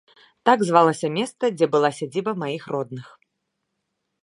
Так звалася места, дзе была сядзіба маіх родных.